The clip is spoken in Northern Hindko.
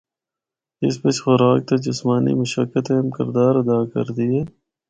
اس بچ خوراک تے جسمانی مشقت اہم کردار ادا کردی ہے۔